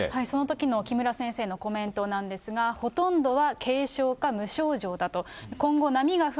そのときの木村先生のコメントなんですが、ほとんどは軽症か無症状だと。